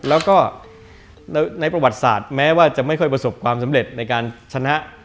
แล้วก็ในประวัติศาสตร์แม้ว่าจะไม่ค่อยประสบความสำเร็จในการชนะ